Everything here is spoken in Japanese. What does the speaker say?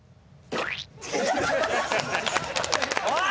おい！